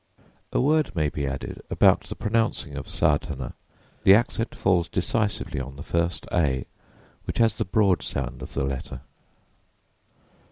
A word may be added about the pronouncing of Sādhanā: the accent falls decisively on the first ā, which has the broad sound of the letter.